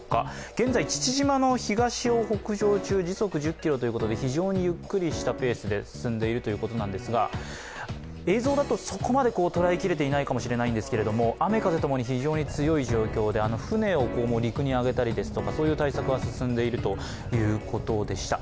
現在、父島の東を北上中、時速１０キロということで非常にゆっくりしたペースで進んでいるということなんですが、映像だとそこまで捉えきれていないかもしれないんですが雨風ともに非常に強い状況で船を陸に揚げたりですとかそういう対策は進んでいるということでした。